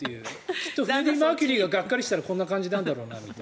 きっとフレディ・マーキュリーががっかりしたらこんな感じなんだろうなと。